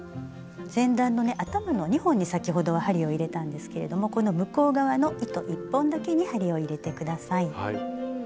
前段のね頭の２本に先ほどは針を入れたんですけれどもこの向こう側の糸１本だけに針を入れて下さい。